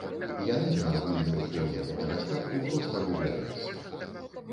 Яны на агульным фоне гэтага статку проста губляюцца.